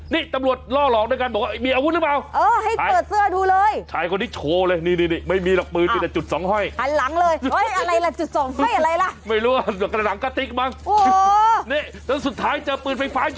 นี่ตำรวจล่อหลอกด้วยกันบอกว่ามีอาวุธหรือเปล่า